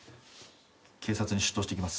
警察に出頭してきます。